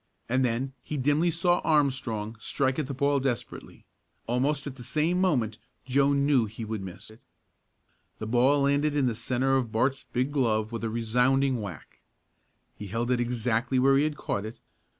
And then he dimly saw Armstrong strike at the ball desperately. Almost at the same moment Joe knew he would miss it. The ball landed in the centre of Bart's big glove with a resounding whack. He held it exactly where he had caught it.